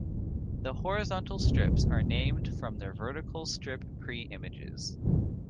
The horizontal strips are named from their vertical strip pre-images.